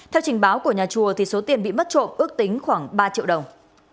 theo trình báo của nhà chùa số tiền bị mất trộm ước tính khoảng ba triệu đồng